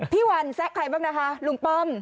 พี่วันแซะใครบ้างนะคะลุงป้อม